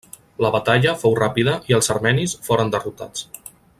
La batalla fou ràpida i els armenis foren derrotats.